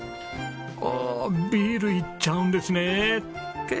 おおビールいっちゃうんですねえ。